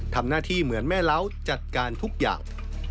ทำหน้าที่เหมือนแม่เล้าจัดการทุกอย่าง